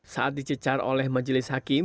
saat dicecar oleh majelis hakim